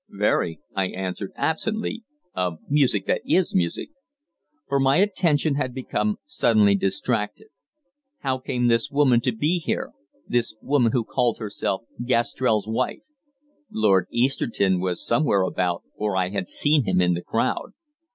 "Very," I answered absently, "of music that is music." For my attention had become suddenly distracted. How came this woman to be here, this woman who called herself Gastrell's wife? Lord Easterton was somewhere about, for I had seen him in the crowd.